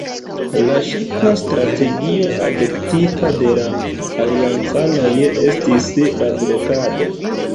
La ŝipa strategio adoptita de la aliancanoj estis la blokado.